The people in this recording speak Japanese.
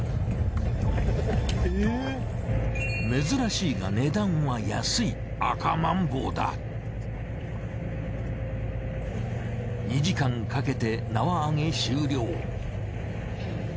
珍しいが値段は安い２時間かけて縄上げ終了。